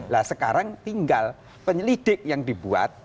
nah sekarang tinggal penyelidik yang dibuat